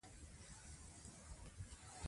غوزان ډېرې اوبه غواړي.